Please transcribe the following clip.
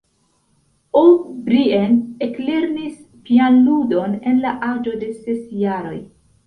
O’Brien eklernis pianludon en la aĝo de ses jaroj.